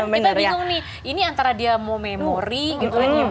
kita bingung nih ini antara dia mau memori gitu lagi